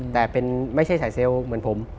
แต่ไม่ใช่สายเซลล์เหมือนผม